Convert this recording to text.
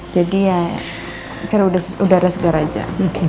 jadi ya cari udara segar aja